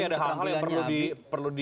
ada hal hal yang perlu di